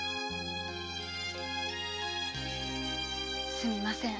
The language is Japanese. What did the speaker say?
すみません。